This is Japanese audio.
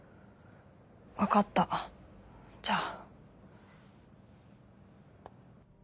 分かったじゃあ。